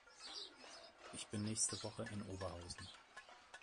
Ich bin nächste Woche in Oberhausen